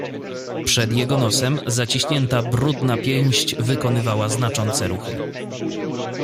"Przed jego nosem zaciśnięta brudna pięść wykonywała znaczące ruchy."